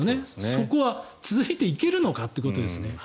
そこは続いていけるのかっていうところですね。